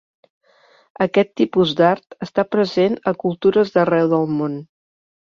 Aquest tipus d'art està present a cultures d'arreu del món.